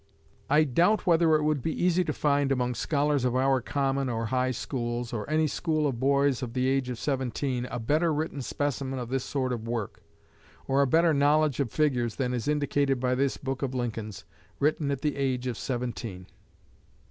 I doubt whether it would be easy to find among scholars of our common or high schools, or any school of boys of the age of seventeen, a better written specimen of this sort of work, or a better knowledge of figures than is indicated by this book of Lincoln's, written at the age of seventeen."